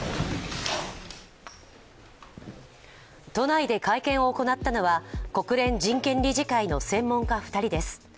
都内で会見を行ったのは国連人権理事会の専門家２人です。